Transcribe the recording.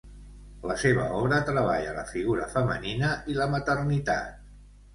La seva obra treballa la figura femenina i la maternitat.